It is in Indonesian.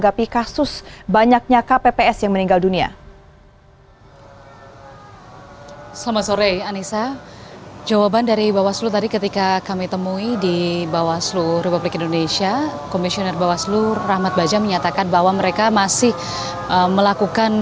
aliansi ini juga sempat menyatakan bahwa faktor kelelahan tak bisa menjadi faktor utama penyebab kematian